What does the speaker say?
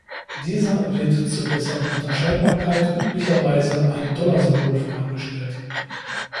Dieser wird zur besseren Unterscheidbarkeit üblicherweise ein $-Symbol vorangestellt.